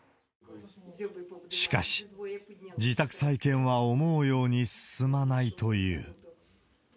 しかし、自宅再建は思うように進まないという。